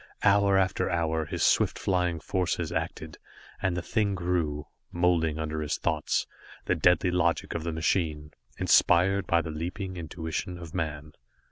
Hour after hour his swift flying forces acted, and the thing grew, moulding under his thoughts, the deadly logic of the machine, inspired by the leaping intuition of man.